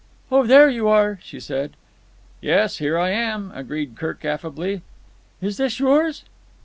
"Oh, there you are!" she said. "Yes, here I am," agreed Kirk affably. "Is this yours?"